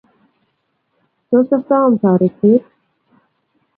tot osom toretet